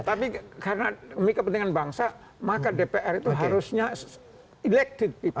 tapi karena demi kepentingan bangsa maka dpr itu harusnya elected